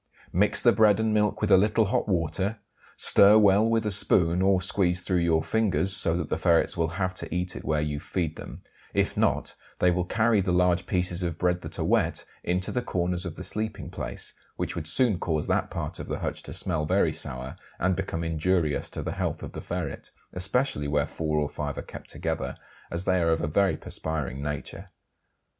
Mix the bread and milk with a little hot water, stir well with a spoon or squeeze through your fingers, so that the ferrets will have to eat it where you feed them; if not they will carry the large pieces of bread that are wet into the corners of the sleeping place, which would soon cause that part of the hutch to smell very sour and become injurious to the health of the ferret, especially where four or five are kept together, as they are of a very perspiring nature.